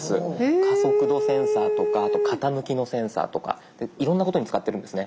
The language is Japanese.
加速度センサーとか傾きのセンサーとかいろんなことに使ってるんですね。